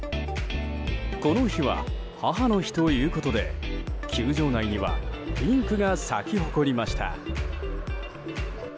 この日は母の日ということで球場内にはピンクが咲き誇りました。